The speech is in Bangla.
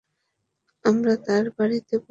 আমরা তার বাড়ীতে পৌঁছলাম।